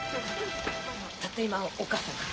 たった今お母さんから。